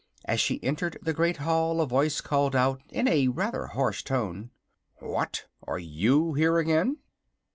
As she entered the great hall a voice called out, in a rather harsh tone: "What! are you here again?"